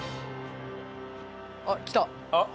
あっ来た。